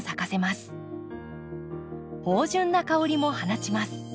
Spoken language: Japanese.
芳醇な香りも放ちます。